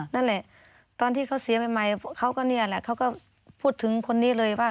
นั่นแหละตอนที่เขาเสียใหม่เขาก็นี่แหละเขาก็พูดถึงคนนี้เลยว่า